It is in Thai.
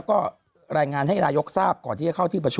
ฉันไปเชียร์